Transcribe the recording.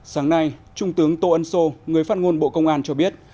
sáng nay trung tướng tô ân sô người phát ngôn bộ công an cho biết